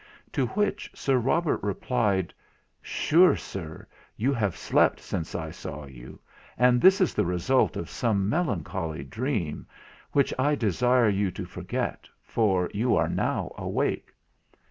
To which Sir Robert replied, "Sure, sir, you have slept since I saw you; and this is the result of some melancholy dream, which I desire you to forget, for you are now awake."